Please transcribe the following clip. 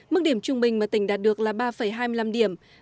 mức điểm trung bình mà tỉnh đạt được là ba hai mươi năm điểm